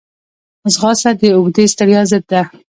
ځغاسته د اوږدې ستړیا ضد ده